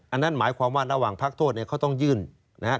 อันนั้นหมายความว่าระหว่างพักโทษเนี่ยเขาต้องยื่นนะฮะ